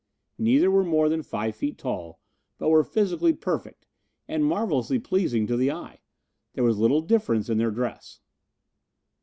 Neither were more than five feet tall but were physically perfect, and marvelously pleasing to the eye. There was little difference in their dress.